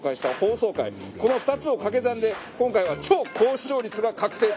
この２つを掛け算で今回は超高視聴率が確定と。